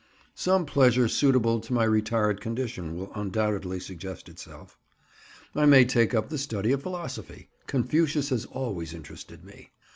Some pleasure suitable to my retired condition will undoubtedly suggest itself. I may take up the study of philosophy. Confucius has always interested me.